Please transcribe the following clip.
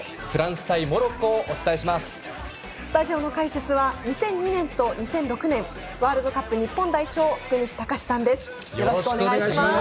スタジオの解説は２００２年、２００６年ワールドカップ日本代表福西崇史さんです。